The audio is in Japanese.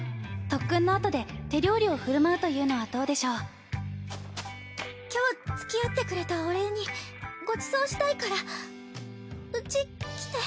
特訓のあとで手料理を振る舞うというのはどうでしょう今日つきあってくれたお礼にごちそうしたいからうち来て。